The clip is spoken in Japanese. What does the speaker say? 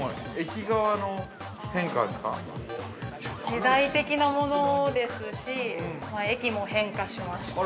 ◆時代的なものですし、駅も変化しました。